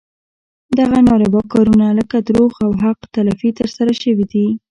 دغه ناروا کارونه لکه دروغ او حق تلفي ترسره شوي دي.